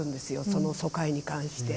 その疎開に関して。